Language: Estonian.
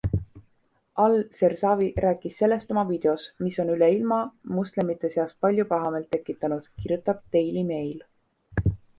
Al-Sersawi rääkis sellest oma videos, mis on üle ilma moslemite seas palju pahameelt tekitanud, kirjutab Daily Mail.